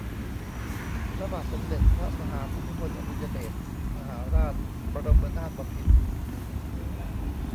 พระบาทสมเด็จพระมหาภูมิพลอดุลยเดชมหาราช บรมนาถบพิตร